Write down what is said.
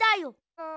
うん。